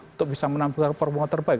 untuk bisa menampilkan permohonan terbaik